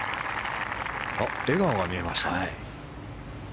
笑顔が見えましたね。